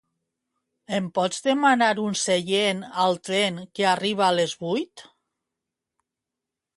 Em pots demanar un seient al tren que arriba a les vuit?